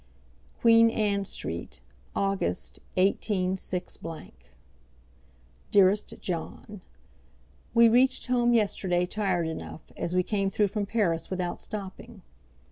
Queen Anne Street, August, 186 . DEAREST JOHN, We reached home yesterday tired enough, as we came through from Paris without stopping.